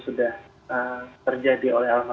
sudah terjadi oleh alam